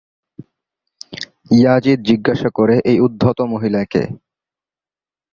Yazid জিজ্ঞাসা করে, "এই উদ্ধত মহিলা কে?"